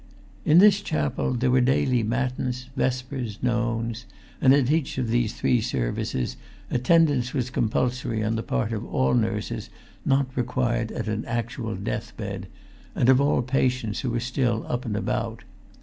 In this chapel there were daily matins, vespers, nones; and at each of the three services attendance was compulsory on the part of all nurses not required at an actual deathbed, and of all patients who were still up and about.